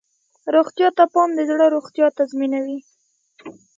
روغتیا ته پام د زړه روغتیا تضمینوي.